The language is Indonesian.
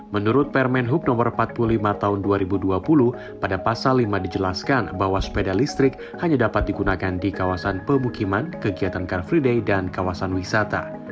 menurut permen hub no empat puluh lima tahun dua ribu dua puluh pada pasal lima dijelaskan bahwa sepeda listrik hanya dapat digunakan di kawasan pemukiman kegiatan car free day dan kawasan wisata